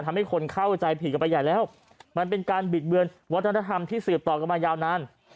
ทำให้คนเข้าใจผิดกันไปใหญ่แล้วมันเป็นการบิดเบือนวัฒนธรรมที่สืบต่อกันมายาวนาน